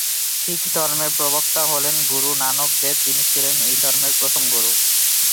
শিখ ধর্মের প্রবক্তা হলেন গুরু নানক দেব, যিনি ছিলেন এই ধর্মের প্রথম গুরু।